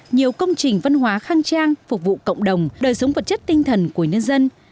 nhiều công trình văn hóa khang trang phục vụ cộng đồng đời sống vật chất tinh thần của nhân dân